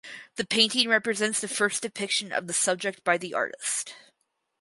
The painting represents the first depiction of the subject by the artist.